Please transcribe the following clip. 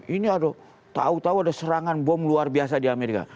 ini ada tau tau ada serangan bom luar biasa di amerika